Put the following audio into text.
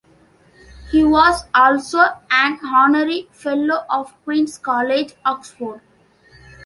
He was also an honorary Fellow of Queen's College, Oxford.